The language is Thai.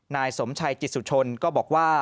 นายสมชัยจิตสุชนก็บอกว่า